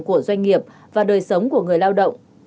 của doanh nghiệp và đời sống của người lao động